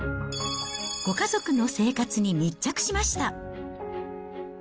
ご家族の生活に密着しました。